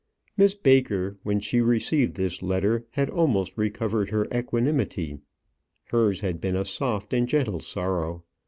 Miss Baker, when she received this letter, had almost recovered her equanimity. Hers had been a soft and gentle sorrow.